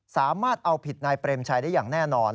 สามารถเอาผิดนายเปรมชัยได้อย่างแน่นอน